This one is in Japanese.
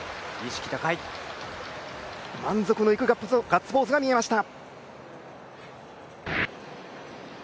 満足のいくガッツポーズが見えました。